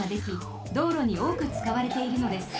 道路におおくつかわれているのです。